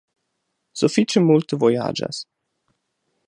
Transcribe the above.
Sufiĉe multe vojaĝas.